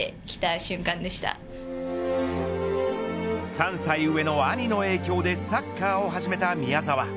３歳上の兄の影響でサッカーを始めた宮澤。